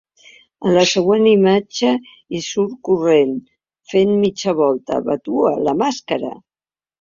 A la següent imatge hi surt corrent, fent mitja volta: ‘Vatua, la màscara!’